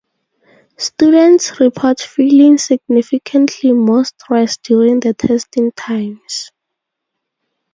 Students report feeling significantly more stress during the testing times.